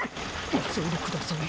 いそいでください。